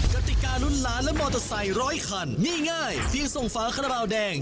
กติการุ่นล้านและมอเตอร์ไซค์ร้อยคันนี่ง่ายเพียงส่งฝาคาราบาลแดง